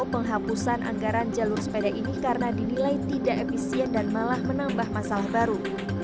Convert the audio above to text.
penghapusan anggaran jalur sepeda ini karena dinilai tidak efisien dan malah menambah masalah baru